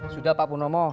sudah pak punomo